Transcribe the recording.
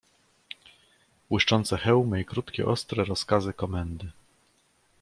"Błyszczące hełmy i krótkie, ostre rozkazy komendy."